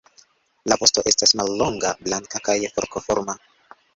La vosto estas mallonga, blanka kaj forkoforma.